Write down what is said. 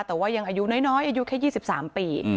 แต่ว่ายังอายุน้อยอายุแค่๒๓ปี